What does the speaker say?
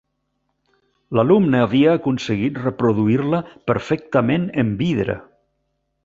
L'alumne havia aconseguit reproduir-la perfectament en vidre.